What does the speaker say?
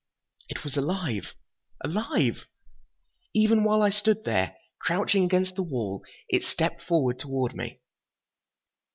It was alive! Alive! Even while I stood there, crouching against the wall, it stepped forward toward me.